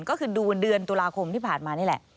ก็คือดูเดือนตุลาคมที่ผ่านมานี่แหละ